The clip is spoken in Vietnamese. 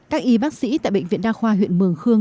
các y bác sĩ tại bệnh viện đa khoa huyện mường khương